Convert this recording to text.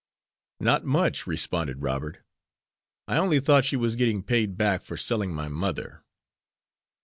"Not much," responded Robert. "I only thought she was getting paid back for selling my mother."